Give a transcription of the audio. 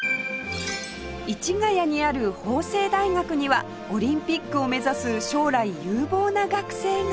市ケ谷にある法政大学にはオリンピックを目指す将来有望な学生が